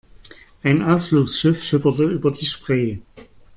Ein Ausflugsschiff schipperte über die Spree.